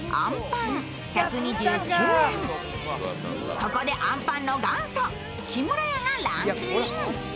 ここであんぱんの元祖木村屋がランクイン！